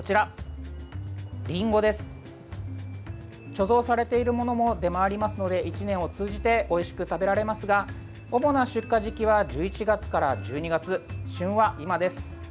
貯蔵されているものも出回りますので１年を通じておいしく食べられますが主な出荷時期は１１月から１２月、旬は今です。